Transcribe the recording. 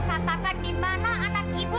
saya nggak tahu ibu